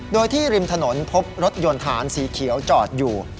โดยที่ริมถนนพบรถยนต์ฐานสีเขียวจอดอยู่